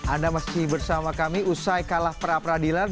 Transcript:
anda masih bersama kami usai kalah peradilan